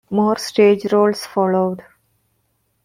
More stage roles followed.